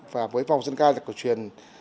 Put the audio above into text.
và với phòng dân ca nhạc cổ truyền